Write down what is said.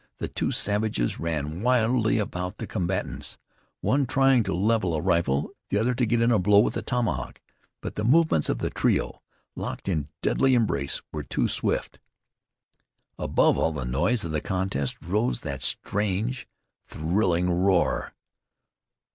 The two savages ran wildly about the combatants, one trying to level a rifle, the other to get in a blow with a tomahawk. But the movements of the trio, locked in deadly embrace, were too swift. Above all the noise of the contest rose that strange, thrilling roar.